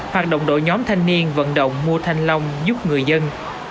hoạt động đội nhóm thanh niên vận động mua thanh long giúp người dân